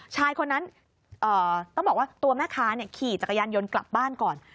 ชายคนนั้นต้องบอกว่าตัวแม่ค้าขี่จักรยานยนต์กลับบ้านก่อน